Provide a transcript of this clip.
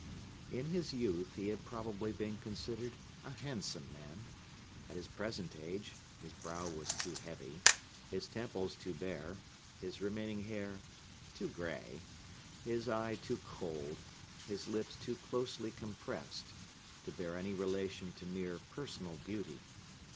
In his youth, he had probably been considered a handsome man; at his present age, his brow was too heavy, his temples too bare, his remaining hair too gray, his eye too cold, his lips too closely compressed, to bear any relation to mere personal beauty.